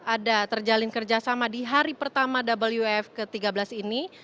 ada terjalin kerjasama di hari pertama wf ke tiga belas ini